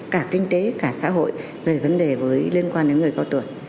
cả kinh tế cả xã hội về vấn đề liên quan đến người cao tuổi